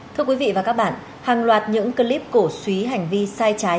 thưa quý vị và các bạn hàng loạt những clip cổ suý hành vi sai trái